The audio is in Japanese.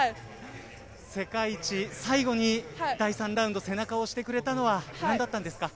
世界一、最後に第３ラウンド、背中を押してくれたのはなんだったんですか。